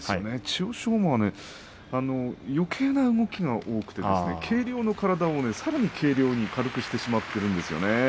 馬はよけいな動きが多くて軽量な体をさらに軽量にしてしまっているんですね。